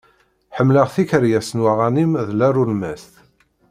Ḥemmleɣ tikeryas n uɣanim d larulmat.